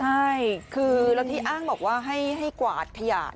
ใช่คือแล้วที่อ้างบอกว่าให้กวาดขยะ